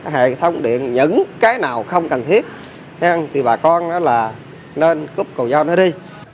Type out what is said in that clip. hệ thống điện những cái nào không cần thiết thì bà con là nên cúp cầu giao nó đi